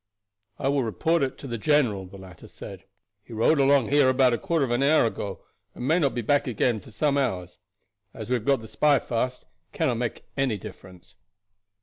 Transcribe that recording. "I will report it to the general," the latter said; "he rode along here about a quarter of an hour ago, and may not be back again for some hours. As we have got the spy fast it cannot make any difference."